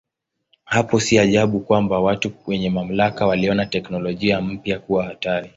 Hapo si ajabu kwamba watu wenye mamlaka waliona teknolojia mpya kuwa hatari.